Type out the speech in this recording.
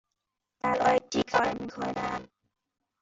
در آی تی کار می کنم.